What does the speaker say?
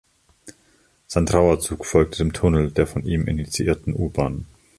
Sein Trauerzug folgte dem Tunnel der von ihm initiierten U-Bahn.